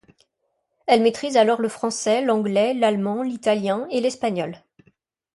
Elle maîtrise alors le français, l'anglais, l'allemand, l'italien et l'espagnol.